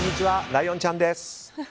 ライオンちゃんです。